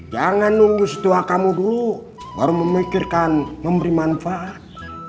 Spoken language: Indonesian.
jangan nunggu setua kamu dulu baru memikirkan memberi manfaat